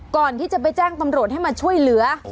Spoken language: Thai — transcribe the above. ก่อนที่จะไปแจ้งตำรวจให้มาช่วยเหลือ